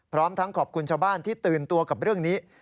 พร้อมทั้งขอบคุณชาวบ้านที่ตื่นตัวกับเรื่องนี้